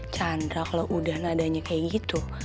chandra kalau udah nadanya kayak gitu